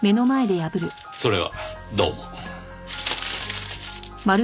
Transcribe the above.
それはどうも。